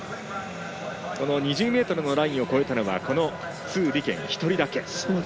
２０ｍのラインを越えたのはこの鄒莉娟、１人だけ。